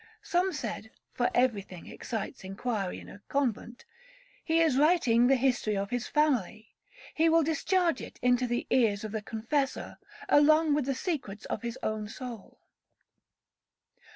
Some said, for every thing excites inquiry in a convent, 'He is writing the history of his family; he will discharge it into the ears of the confessor, along with the secrets of his own soul.'